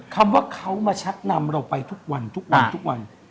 คำว่าเขามาชักนำเราไปทุกวันทุกวันทุกวัน